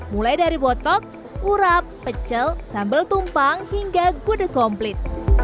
mulai dari botok urap pecel sambal tumpang hingga gudeg komplit